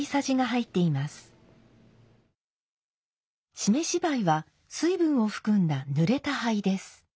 湿し灰は水分を含んだぬれた灰です。